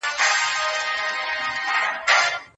کېدای سي شخړې ختمې سي.